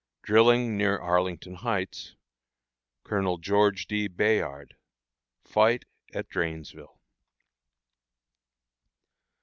Drilling near Arlington Heights. Colonel George D. Bayard. Fight at Drainesville.